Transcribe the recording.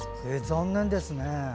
残念ですね。